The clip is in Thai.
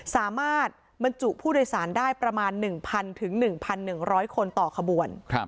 บรรจุผู้โดยสารได้ประมาณ๑๐๐๑๑๐๐คนต่อขบวน